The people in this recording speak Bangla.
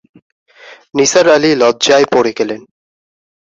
নিসার আলি লজ্জায় পড়ে গেলন।